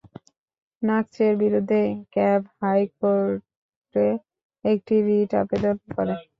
নাকচের বিরুদ্ধে ক্যাব হাইকোর্টে একটি রিট আবেদন করে।